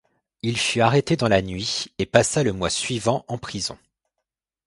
Il fut arrêté dans la nuit, et passa le mois suivant en prison.